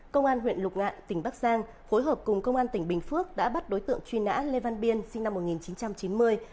công an huyện lục ngạn tỉnh bắc giang phối hợp cùng công an tỉnh bình phước đã bắt đối tượng truy nã lê văn biên sinh năm một nghìn chín trăm chín mươi